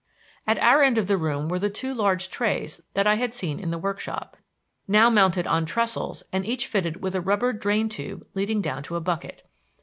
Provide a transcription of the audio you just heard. At our end of the room were the two large trays that I had seen in the workshop, now mounted on trestles and each fitted with a rubber drain tube leading down to a bucket.